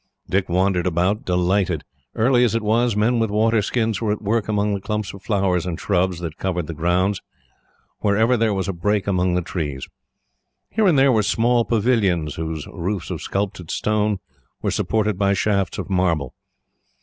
Dick wandered about, delighted. Early as it was, men with water skins were at work among the clumps of flowers and shrubs, that covered the ground wherever there was a break among the trees. Here and there were small pavilions, whose roofs of sculptured stone were supported by shafts of marble.